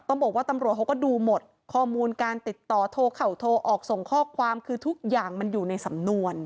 บอกว่าตำรวจเขาก็ดูหมดข้อมูลการติดต่อโทรเข่าโทรออกส่งข้อความคือทุกอย่างมันอยู่ในสำนวน